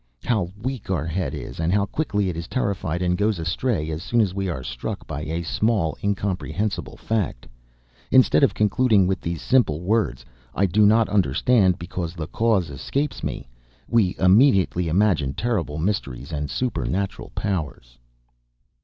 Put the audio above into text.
How weak our head is, and how quickly it is terrified and goes astray, as soon as we are struck by a small, incomprehensible fact. Instead of concluding with these simple words: "I do not understand because the cause escapes me," we immediately imagine terrible mysteries and supernatural powers.